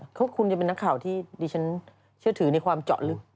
เขาควรจะเป็นนักข่าวที่ดิฉันเชื่อถือในความเจาะลึก